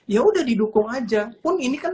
yaudah didukung aja pun ini kan